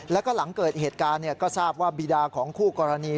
แล้วก็หลังเกิดเหตุการณ์ก็ทราบว่าบีดาของคู่กรณี